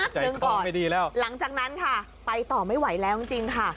ปั๊บถึงก่อนหลังจากนั้นค่ะไปต่อไม่ไหวแล้วจริงค่ะ